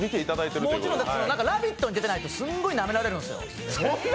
「ラヴィット！」に出てないとすごいなめられるんですよ。